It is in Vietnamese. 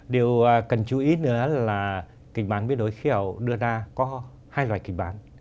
điều cần chú ý nữa là kịch bản biến đổi khí hậu đưa ra có hai loài kịch bản